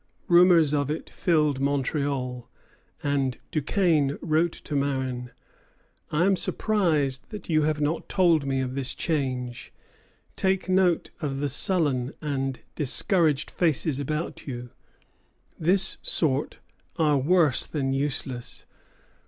Rumors of it filled Montreal; and Duquesne wrote to Marin: "I am surprised that you have not told me of this change. Take note of the sullen and discouraged faces about you. This sort are worse than useless.